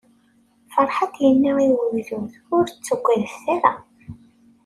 Ferḥat yenna i ugdud: Ur ttagadet ara!